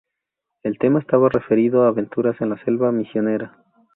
El tema estaba referido a aventuras en la selva misionera.